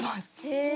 へえ！